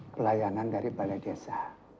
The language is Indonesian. pelayanan dari balai desa